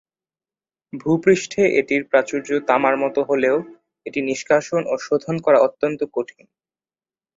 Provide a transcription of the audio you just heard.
ভূপৃষ্ঠে এটির প্রাচুর্য তামার মতো হলেও এটি নিষ্কাশন ও শোধন করা অত্যন্ত কঠিন।